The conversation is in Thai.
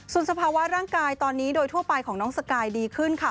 ส่วนสภาวะร่างกายตอนนี้โดยทั่วไปของน้องสกายดีขึ้นค่ะ